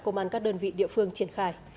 công an các đơn vị địa phương triển khai